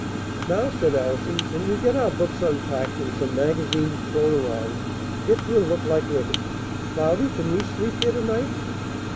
"Now," said Allison, "when we get our books unpacked, and some magazines thrown around, it will look like living. Cloudy, can we sleep here to night?"